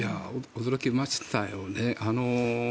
驚きましたよね。